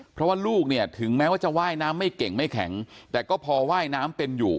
เพราะว่าลูกเนี่ยถึงแม้ว่าจะว่ายน้ำไม่เก่งไม่แข็งแต่ก็พอว่ายน้ำเป็นอยู่